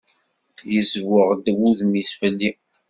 Izzweɣ-d udem-is fell-i.